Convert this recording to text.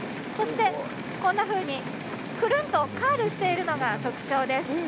そして、こんなふうに、くるんとカールしているのが特徴です。